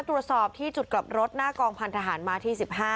ตรวจสอบที่จุดกลับรถหน้ากองพันธหารมาที่๑๕